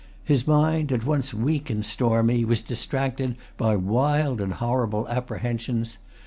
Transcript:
His mind, at once weak and stormy, was distracted by wild and horrible apprehensions.